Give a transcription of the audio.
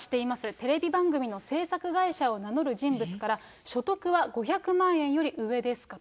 テレビ番組の制作会社を名乗る人物から、所得は５００万円より上ですかと。